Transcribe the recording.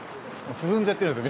進んじゃってるんですよ